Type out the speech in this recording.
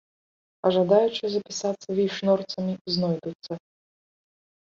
А жадаючыя запісацца вейшнорцамі знойдуцца.